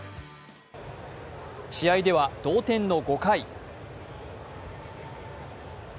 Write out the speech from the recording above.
試合では同点の５回。